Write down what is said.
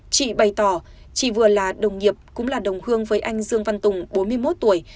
chị bày tỏ chị vừa là đồng nghiệp cũng là đồng hương với anh dương văn tùng bốn mươi một tuổi